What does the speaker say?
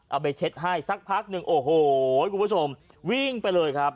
เอาไปเช็ดให้สักพักหนึ่งโอ้โหคุณผู้ชมวิ่งไปเลยครับ